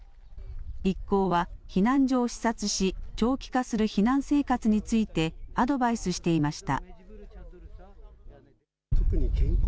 一行は避難所を視察し長期化する避難生活についてアドバイスしていました。